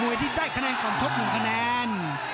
มวยที่ได้คะแนนก่อนชุดหนึ่งคะแนน